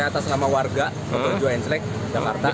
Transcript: atas nama warga betul juga yang selek jakarta